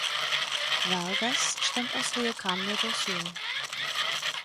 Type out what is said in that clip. Vargas stammt aus Rio Grande do Sul.